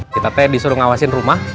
kita teh disuruh ngawasin rumah